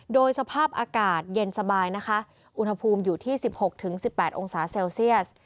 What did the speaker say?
โดยสภาพอากาศเย็นสบายนะคะอุณหภูมิอยู่ที่๑๖๑๘องศาเซลเซียส